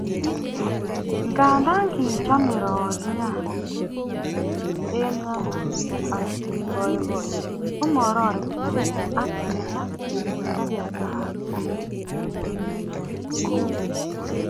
Nganda kichomei roriot eng nyalilda ak boiboiyet komorori Kijasiri ako kiilach togetab boisiet